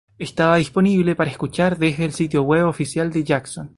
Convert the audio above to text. Estaba disponible para escuchar desde el sitio web oficial de Jackson.